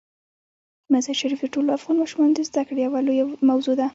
مزارشریف د ټولو افغان ماشومانو د زده کړې یوه لویه موضوع ده.